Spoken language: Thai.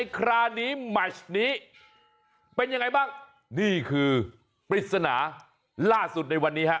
คราวนี้แมชนี้เป็นยังไงบ้างนี่คือปริศนาล่าสุดในวันนี้ฮะ